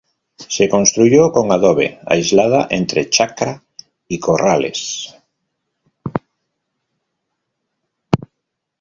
Se construyó con adobe, aislada entre chacra y corrales.